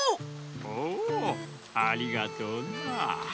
おおありがとうな。